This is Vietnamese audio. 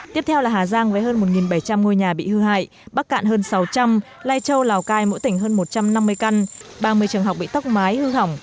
tiếp theo là hà giang với hơn một bảy trăm linh ngôi nhà bị hư hại bắc cạn hơn sáu trăm linh lai châu lào cai mỗi tỉnh hơn một trăm năm mươi căn ba mươi trường học bị tóc mái hư hỏng